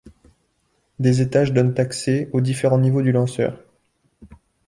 Des étages donnent accès aux différents niveaux du lanceur.